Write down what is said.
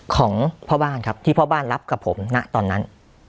ของพ่อบ้านครับที่พ่อบ้านรับกับผมณตอนนั้น